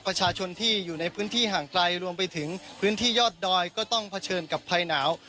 ประชาชนที่อยู่ในพื้นที่ห่างไกลรวมไปถึงพื้นที่ยอดดอยก็ต้องเผชิญกับภัยหนาว